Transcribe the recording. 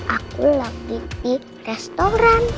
aku lagi di restoran